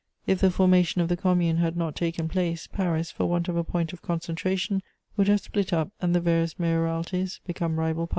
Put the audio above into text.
If the formation of the Commune had not taken place, Paris, for want of a point of concentration, would have split up, and the various mayoralties become rival powers.